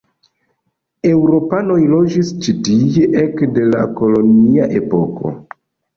Eŭropanoj loĝis ĉi tie ekde la kolonia epoko.